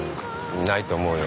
ないと思うよ。